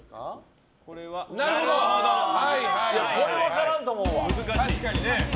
これ分からんと思うわ。